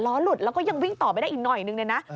หล้อหลุดแล้วก็ยังวิ่งต่อไปได้อีกหน่อยหนึ่ง